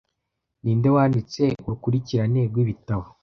Ninde wanditse urukurikirane rw'ibitabo